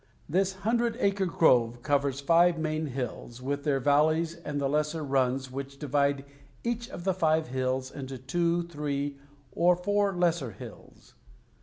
This hundred acre grove covers five main hills, with their valleys and the lesser runs which divide each of the five hills into two, three, or four lesser hills.